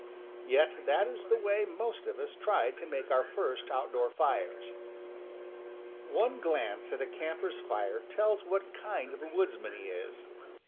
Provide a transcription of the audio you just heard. Yet that is the way most of us tried to make our first outdoor fires. One glance at a camper's fire tells what kind of a woodsman he is.